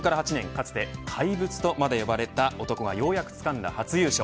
かつて怪物とまで呼ばれた男がようやく掴んだ初優勝